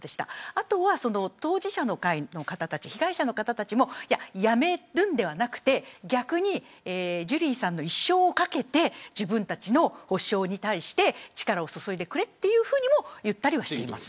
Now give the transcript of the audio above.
あとは当事者の会の方たち被害者の方たちも辞めるんではなくて、逆にジュリーさんの一生を懸けて自分たちの補償に対して力を注いでくれというふうにも言ったりはしています。